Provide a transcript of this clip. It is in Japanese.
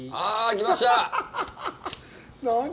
来ました。